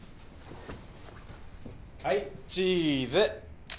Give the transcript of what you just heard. はいチーズ。